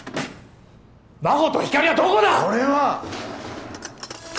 真帆と光莉はどこだ！俺は。